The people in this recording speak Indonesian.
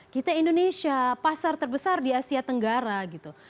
kita indonesia pasar terbesar di asia tenggara gitu